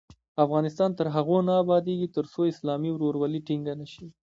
افغانستان تر هغو نه ابادیږي، ترڅو اسلامي ورورولي ټینګه نشي.